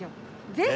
ぜひ！